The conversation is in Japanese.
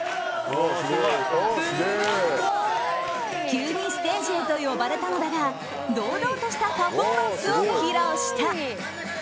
急に呼ばれたのだが堂々としたパフォーマンスを披露した。